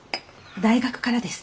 大学からです。